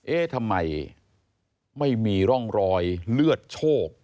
เอ๊ะทำไมไม่มีร่องรอยเลือดโชค